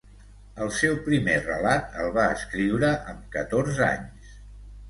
El seu primer relat el va escriure amb catorze anys.